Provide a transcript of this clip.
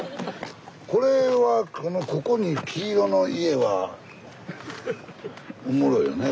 これはここに黄色の家はおもろいよね